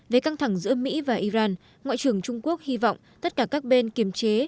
về căng thẳng giữa mỹ và iran ngoại trưởng trung quốc hy vọng tất cả các bên kiềm chế